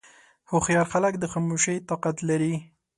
هوښیار خلک د خاموشۍ طاقت لري.